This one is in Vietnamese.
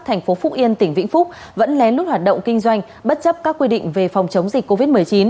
thành phố phúc yên tỉnh vĩnh phúc vẫn lén lút hoạt động kinh doanh bất chấp các quy định về phòng chống dịch covid một mươi chín